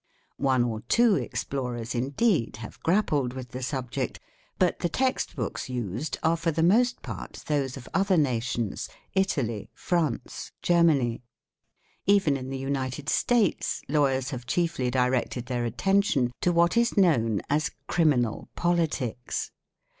One or two explorers, indeed, have grappled with the subject, but the text books used are for the most part those of other nations— ltaly, France, Germany. Even in the United States, lawyers have chiefly 'directed their attention to what is known as Criminal Politics.